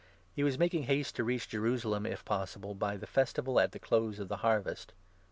He was making haste to reach Jerusalem, if possible, by the Festival at the close of the Harvest.